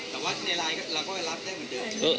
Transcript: แต่ว่าในไลน์เราก็ไปรับได้เหมือนเดิม